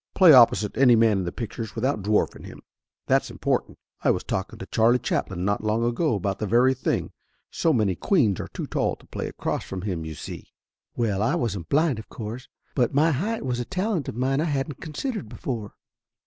Play opposite any man in the pictures without dwarfing him. That's important. I was talk ing to Charlie Chaplin not long ago about that very thing. So many queens are too tall to play across from him, you see!" Well, I wasn't blind of course. But my height was Laughter Limited 29 a talent of mine I hadn't considered before.